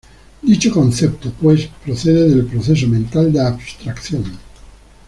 Dicho concepto, pues, procede del proceso mental de abstracción.